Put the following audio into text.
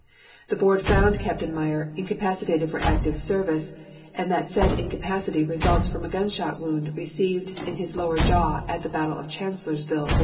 The board found Captain Meyer "incapacitated for active service, and that said incapacity results from a gunshot wound received in his lower jaw at the battle of Chancellorsville, Va.